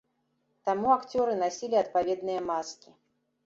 Таму акцёры насілі адпаведныя маскі.